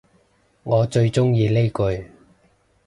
我最鍾意呢句